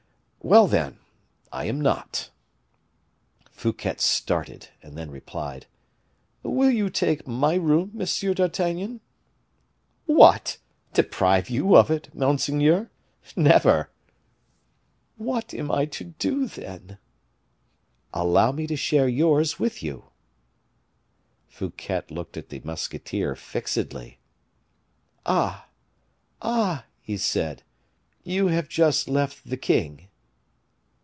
"Well, then, I am not." Fouquet started; and then replied, "Will you take my room, Monsieur d'Artagnan?" "What! deprive you of it, monseigneur? never!" "What am I to do, then?" "Allow me to share yours with you." Fouquet looked at the musketeer fixedly. "Ah! ah!" he said, "you have just left the king."